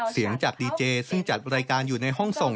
เสียงจากดีเจซึ่งจัดรายการอยู่ในห้องส่ง